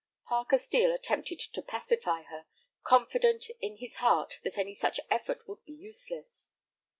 Parker Steel attempted to pacify her, confident in his heart that any such effort would be useless.